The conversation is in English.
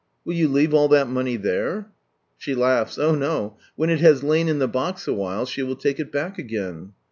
" Will you leave all that money there?" She laughs. Oh no, when it has lain in the box awhile she will take it back again.